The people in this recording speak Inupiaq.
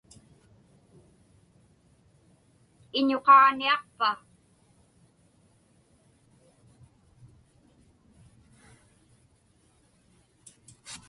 Iñuqaġniaqpa?